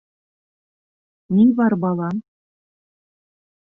— Ни бар, балам?